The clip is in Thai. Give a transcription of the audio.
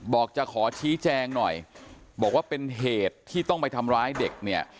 บอกจะขอชี้แจงหน่อยบอกว่าเป็นเหตุที่ต้องไปทำร้ายเด็กเนี่ย